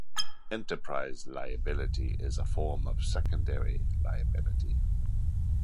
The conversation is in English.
Enterprise liability is a form of secondary liability.